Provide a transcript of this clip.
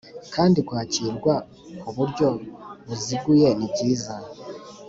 kandi kwakirwa ku buryo buziguye ni byiza